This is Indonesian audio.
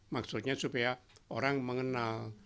maksudnya supaya orang mengenal